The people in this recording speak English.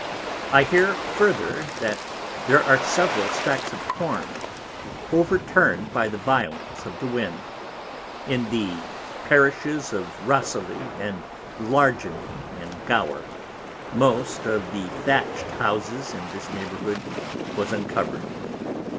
I hear further, that there are several Stacks of Corn over turn'd by the violence of the Wind, in the Parishes of Roysily and Largenny in Gower; most of the Thatcht Houses in this Neighbourhood was uncovered.